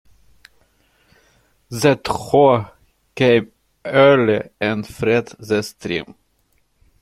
The thaw came early and freed the stream.